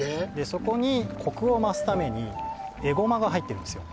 そこにコクを増すためにエゴマが入ってるんですよ